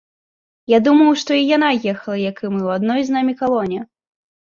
Я думаў, што і яна ехала, як і мы, у адной з намі калоне.